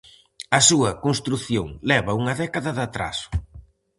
A súa construción leva unha década de atraso.